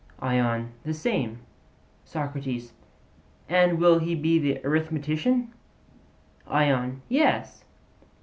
ION: The same. SOCRATES: And he will be the arithmetician? ION: Yes.